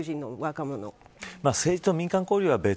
政治と民間交流は別。